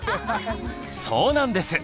そうなんです！